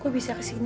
kok bisa kesini